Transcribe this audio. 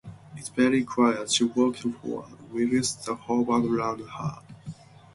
“It’s very quiet.” She walked forward, whilst he hovered round her.